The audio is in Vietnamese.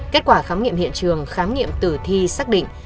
kết quả khám nghiệm hiện trường khám nghiệm tử thi xác định